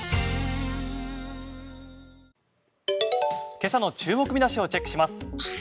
今朝の注目見出しをチェックします。